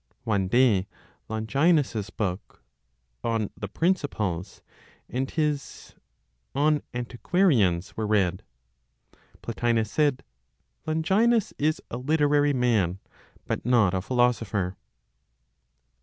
One day Longinus's book "On the Principles," and his "On Antiquarians" were read. Plotinos said, "Longinus is a literary man, but not a philosopher."